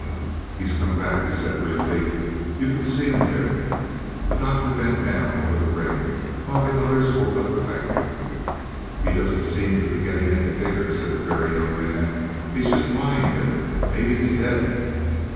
"He's come back," he said briefly; "you can see him there." The Doctor bent down over the ring while the others woke up the Banker. "He doesn't seem to be getting any bigger," said the Very Young Man; "he's just lying there. Maybe he's dead."